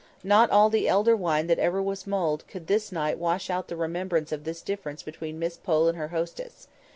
Not all the elder wine that ever was mulled could this night wash out the remembrance of this difference between Miss Pole and her hostess.